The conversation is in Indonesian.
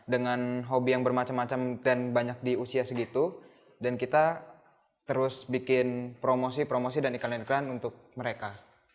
dengan hobi yang bermacam macam dan banyak di usia segitu dan kita terus bikin promosi promosi dan iklan iklan untuk mereka